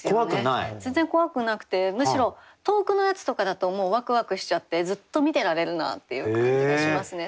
全然怖くなくてむしろ遠くのやつとかだともうわくわくしちゃってずっと見てられるなっていう感じがしますね。